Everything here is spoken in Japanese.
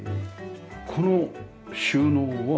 この収納は。